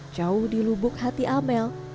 jauh di lubuk hati amel